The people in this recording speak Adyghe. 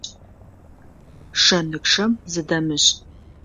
Шэнычъэм зыдэмышӏ.